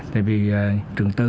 tại vì trường tư